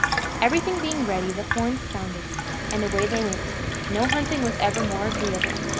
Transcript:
Everything being ready, the horns sounded, and away they went: no hunting was ever more agreeable.